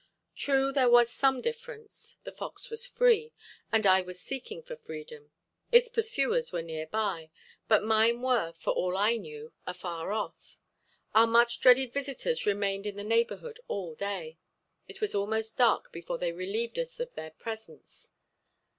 True, there was some difference; the fox was free, and I was seeking for freedom; its pursuers were near by, but mine were, for all I knew, afar off. Our much dreaded visitors remained in the neighborhood all day. It was almost dark before they relieved us of their presence.